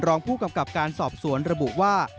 รองผู้กำกับการสอบสวนระบุว่า